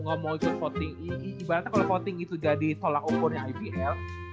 gak mau ikut voting ibaratnya kalo voting itu jadi tolak umurnya ibl